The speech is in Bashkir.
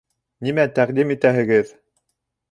Нимә тәҡдим итәһегеҙ?